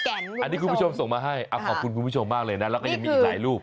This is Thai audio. อันนี้คุณผู้ชมส่งมาให้ขอบคุณคุณผู้ชมมากเลยนะแล้วก็ยังมีอีกหลายรูป